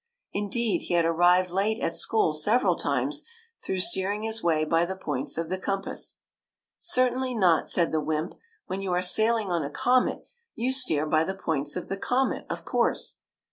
Indeed, he had arrived late at school several times, through steering his way by the points of the compass. '' Certainly not," said the wymp ;'' when you are sailing on a comet, you steer by the points of the comet, of course."